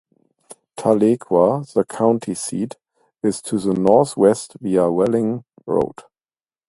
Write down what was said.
Tahlequah, the county seat, is to the northwest via Welling Road.